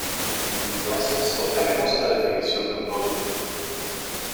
Entonces obtenemos la definición de un producto.